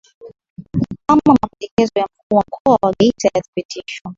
Kama mapendekezo ya mkuu wa mkoa wa Geita yatapitishwa